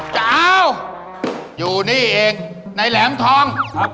จ้าวอยู่นี่เองในแหลมทอง